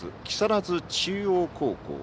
木更津中央高校。